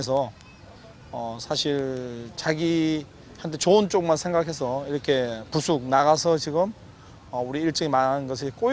ketika kita sedang menunggu world cup dua ribu dua puluh saya hanya memikirkan hal yang baik untuk diri saya